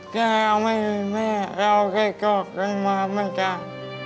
แกไม่มีแม่เราจะกลับกันมาเหมือนกัน